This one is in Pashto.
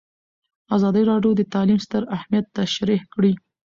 ازادي راډیو د تعلیم ستر اهميت تشریح کړی.